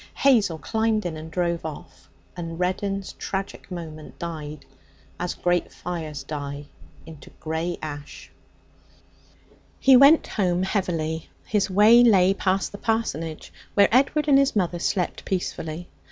Hazel climbed in and drove off, and Reddin's tragic moment died, as great fires die, into grey ash. He went home heavily. His way lay past the parsonage where Edward and his mother slept peacefully.